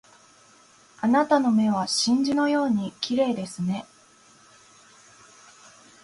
あなたの目は真珠のように綺麗ですね